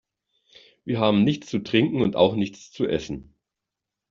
Wir haben nichts zu trinken und auch nichts zu essen.